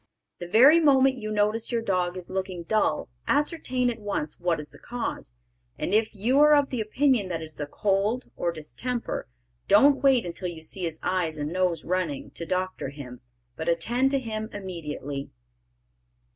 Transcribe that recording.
The very moment you notice your dog is looking dull ascertain at once what is the cause, and if you are of the opinion that it is a cold or distemper, don't wait until you see his eyes and nose running, to doctor him, but attend to him immediately.